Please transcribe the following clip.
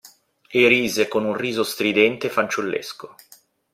E rise, con un riso stridente e fanciullesco.